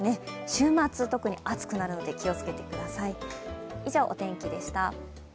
週末、特に暑くなるので気をつけてください。